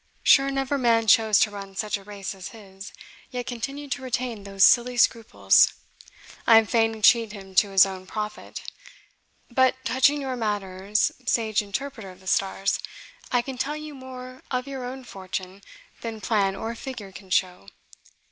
"Sure never man chose to run such a race as his, yet continued to retain those silly scruples! I am fain to cheat him to his own profit. But touching your matters, sage interpreter of the stars, I can tell you more of your own fortune than plan or figure can show.